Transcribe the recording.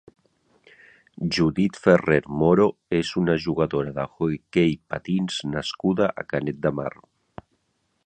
Judith Ferrer Moro és una jugadora d'hoquei patins nascuda a Canet de Mar.